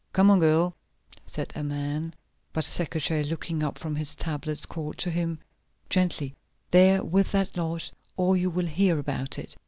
"Come on, girl," said a man, but a secretary, looking up from his tablets, called to him: "Gently there with that lot, or you will hear about it.